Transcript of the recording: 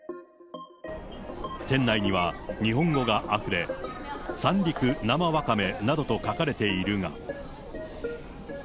店内には、日本語があふれ、三陸生わかめなどと書かれているが。